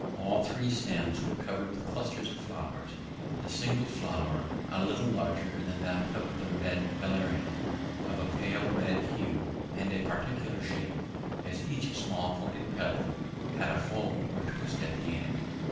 All three stems were crowned with clusters of flowers, the single flower a little larger than that of the red valerian, of a pale red hue and a peculiar shape, as each small pointed petal had a fold or twist at the end.